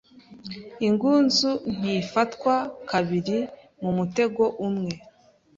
Ingunzu ntifatwa kabiri mu mutego umwe.